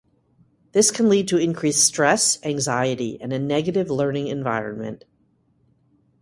This can lead to increased stress, anxiety, and a negative learning environment.